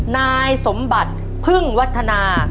นายสมบัติพึ่งวัฒนา